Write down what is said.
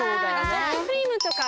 ソフトクリームとか。